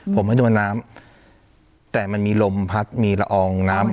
ผมไม่ได้มาน้ำแต่มันมีลมพัดมีละอองน้ำ